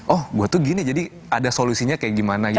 oh gue tuh gini jadi ada solusinya kayak gimana gitu